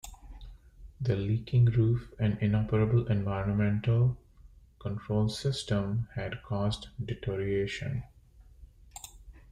The leaking roof and inoperable environmental control system had caused deterioration.